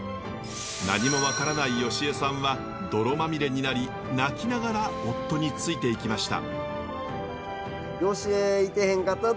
何も分からない芳衣さんは泥まみれになり泣きながら夫についていきました。